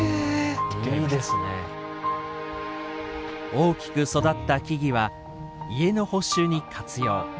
大きく育った木々は家の補修に活用